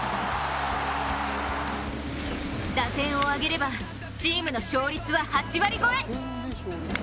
打点を挙げればチームの勝率は８割超え。